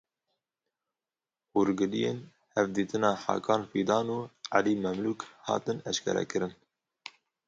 Hûrgiliyên hevdîtina Hakan Fidan û Elî Memlûk hatin eşkerekirin.